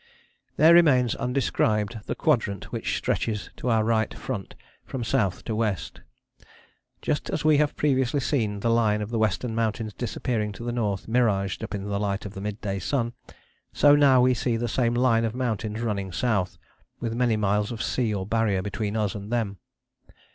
There remains undescribed the quadrant which stretches to our right front from south to west. Just as we have previously seen the line of the Western Mountains disappearing to the north miraged up in the light of the mid day sun, so now we see the same line of mountains running south, with many miles of sea or Barrier between us and them.